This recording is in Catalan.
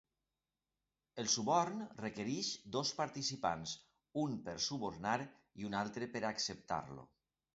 El suborn requereix dos participants: un per subornar i un altre per acceptar-lo